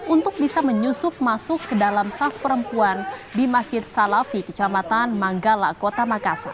untuk bisa menyusup masuk ke dalam saf perempuan di masjid salafi kecamatan manggala kota makassar